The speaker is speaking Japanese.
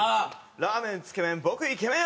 ラーメンつけ麺僕イケメン！！